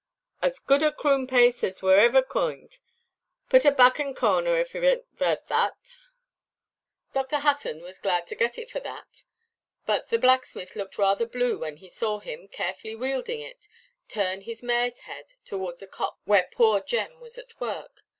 "As good a croon–pace as wor iver cooined. Putt un barck in carner, if a bainʼt worth thart." Dr. Hutton was glad to get it for that, but the blacksmith looked rather blue when he saw him, carefully wielding it, turn his mareʼs head towards the copse where poor Jem was at work.